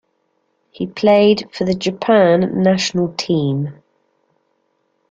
He played for the Japan national team.